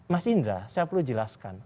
mas indra saya perlu jelaskan